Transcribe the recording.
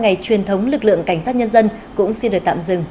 ngày còn đang gián đoạn nhiệt độ từ hai mươi bảy đến ba mươi bốn độ